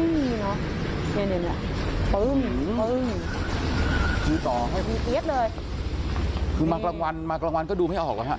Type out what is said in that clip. นี่นี่นี่นี่ปึ้มปึ้มตี๊กเลยคือมากลางวันมากลางวันก็ดูไม่ออกเลยฮะ